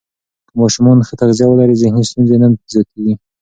که ماشومان ښه تغذیه ولري، ذهني ستونزې نه زیاتېږي.